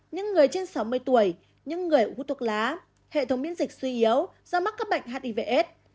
những người trên sáu mươi tuổi những người hút thuốc lá hệ thống miễn dịch suy yếu do mắc các bệnh hivs